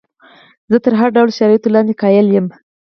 زه تر هر ډول شرایطو لاندې قایل یم.